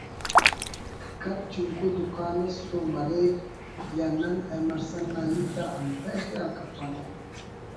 کچ چنکو دکان اس تو مریک یا نن ایمرسن نا ہیت آ انتئے خیال کپنہ